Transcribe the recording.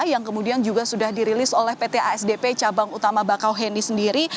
sudah sudah dirilis oleh pt asdp cabang utama bakohni sendiri